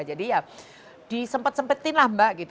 jadi ya disempet sempetin lah mbak gitu